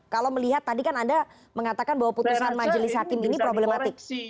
kalau melihat tadi kan anda mengatakan bahwa putusan majelis hakim ini problematik